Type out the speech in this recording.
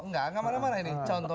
enggak enggak marah marah ini